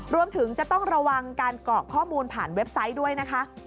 รวมถึงจะต้องระวังการเกาะข้อมูลผ่านเว็บไซต์ด้วยนะคะ